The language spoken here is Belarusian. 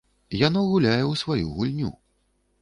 Яно гуляе ў сваю гульню.